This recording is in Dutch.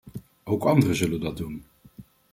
Ook anderen zullen dat doen.